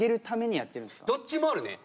どっちもあるね。